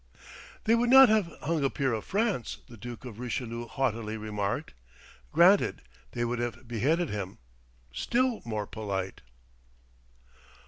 "They would not have hung a peer of France," the Duke of Richelieu haughtily remarked. Granted. They would have beheaded him. Still more polite!